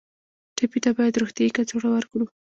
ټپي ته باید روغتیایي کڅوړه ورکړو.